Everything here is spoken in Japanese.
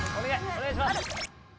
お願いします！